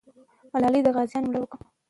ملالۍ د غازیانو ملاتړ کوي.